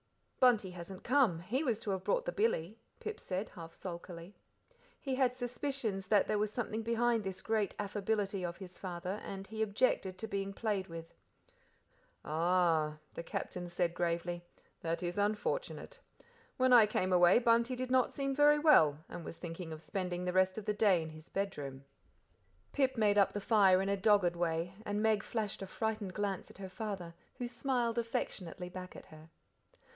"Bunty hasn't come, he was to have brought the billy," Pip said, half sulkily. He had suspicions that there was something behind this great affability of his father, and he objected to being played with. "Ah," the Captain said gravely, "that is unfortunate. When I came away Bunty did not seem very well, and was thinking of spending the rest of the day in his bedroom." Pip made up the fire in a dogged way, and Meg flashed a frightened glance at her father, who smiled affectionately back at her.